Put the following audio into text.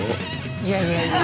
いやいやいや。